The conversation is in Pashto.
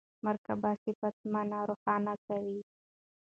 مرکب صفت مانا روښانه کوي.